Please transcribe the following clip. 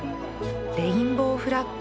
レインボーフラッグ